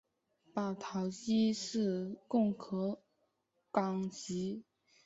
保陶基是共和党籍。